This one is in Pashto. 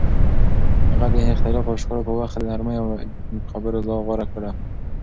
هغه د اختلاف او شخړو په وخت د نرمۍ او خبرو لار غوره کړه.